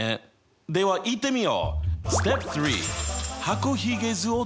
ではいってみよう！